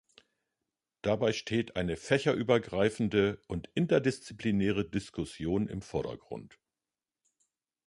Dabei steht eine fächerübergreifende und interdisziplinäre Diskussion im Vordergrund.